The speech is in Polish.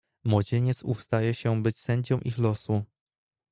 "Młodzieniec ów zdaje się być sędzią ich losu."